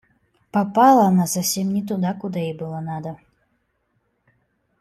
Попала она совсем не туда, куда ей было надо.